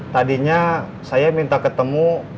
tadinya saya minta ketemu